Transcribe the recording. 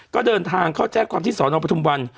ก็เดินทางเข้าแจ้งความที่สอนอปทุมวัน